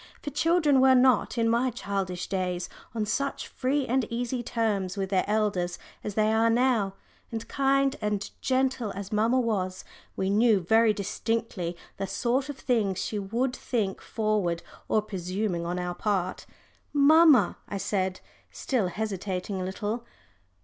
For children were not, in my childish days, on such free and easy terms with their elders as they are now. And kind and gentle as mamma was, we knew very distinctly the sort of things she would think forward or presuming on our part. "Mamma," I said, still hesitating a little.